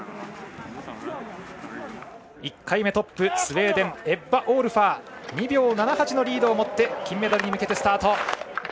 １回目トップ、スウェーデンエッバ・オールファー２秒７８のリードを持って金メダルに向けスタート。